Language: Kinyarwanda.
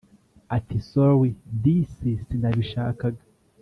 Ati ‘’sorry disi sinabishakaga’’